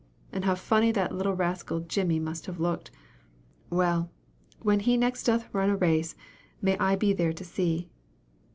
and how funny that little rascal, Jimmy, must have looked! Well, 'when he next doth run a race, may I be there to see.'"